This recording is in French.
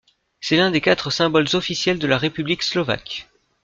C'est l'un des quatre symboles officiels de la République slovaque.